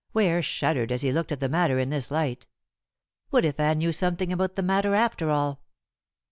Ware shuddered as he looked at the matter in this light. What if Anne knew something about the matter after all?